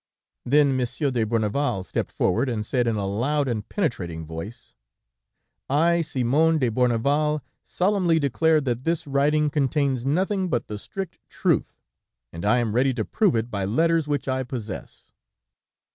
"Then Monsieur de Bourneval stepped forward and said in a loud and penetrating voice: 'I, Simon de Bourneval, solemnly declare that this writing contains nothing but the strict truth, and I am ready to prove it by letters which I possess.'